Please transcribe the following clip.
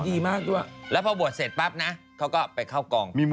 พี่จะบวชไงมิก